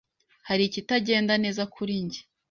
Hari ikitagenda neza kuri njye?